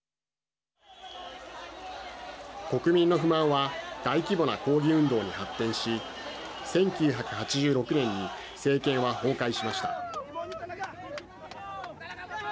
国民の不満は大規模な抗議運動に発展し１９８６年に政権は崩壊しました。